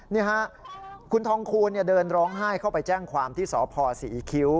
นี่ฮะคุณทองคูณเดินร้องไห้เข้าไปแจ้งความที่สพศรีคิ้ว